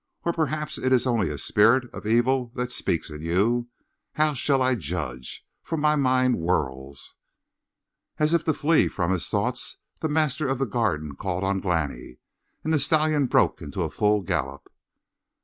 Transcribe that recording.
Or perhaps it is only a spirit of evil that speaks in you. How shall I judge? For my mind whirls!" As if to flee from his thoughts, the master of the Garden called on Glani, and the stallion broke into a full gallop.